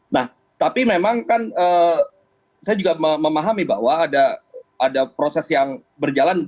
nah tapi memang kan saya juga memahami bahwa ada proses yang berjalan